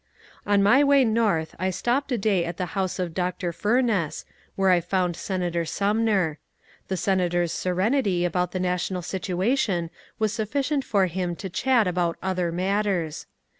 On my way north I stopped a day at the house of Dr. Fur ness, where I found Senator Sumner. The senator's serenity about the national situation was su£Bcient for him to chat about other matters.